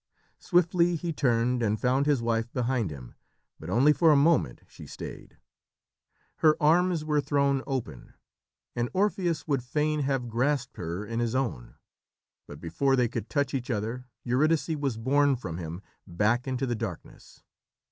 Swiftly he turned, and found his wife behind him, but only for a moment she stayed. Her arms were thrown open and Orpheus would fain have grasped her in his own, but before they could touch each other Eurydice was borne from him, back into the darkness.